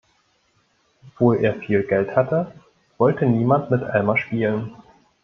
Obwohl er viel Geld hatte, wollte niemand mit Elmar spielen.